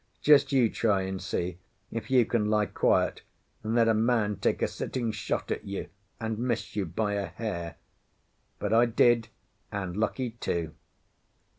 Just you try and see if you can lie quiet, and let a man take a sitting shot at you and miss you by a hair. But I did, and lucky too.